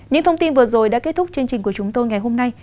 những thông tin vừa rồi đã kết thúc chương trình của chúng tôi ngày hôm nay